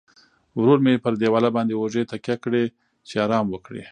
ورو مې پر دیواله باندې اوږې تکیه کړې، چې ارام وکړم.